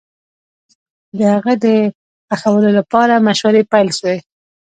د هغه د ښخولو لپاره مشورې پيل سوې